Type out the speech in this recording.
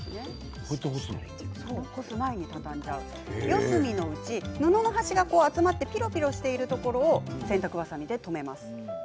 四隅のうち、布の端が集まってピロピロしているところを洗濯ばさみで留めます。